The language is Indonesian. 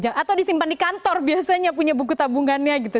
atau disimpan di kantor biasanya punya buku tabungannya gitu